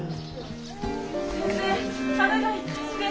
先生腹が痛いんです。